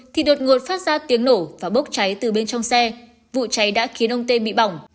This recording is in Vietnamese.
thì đột ngột phát ra tiếng nổ và bốc cháy từ bên trong xe vụ cháy đã khiến ông tê bị bỏng